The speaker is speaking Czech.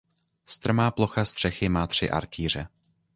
Strmá plocha střechy má tři arkýře.